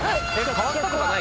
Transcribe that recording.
変わったとかない？